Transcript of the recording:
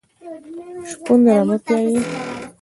شپون رمه پیایي .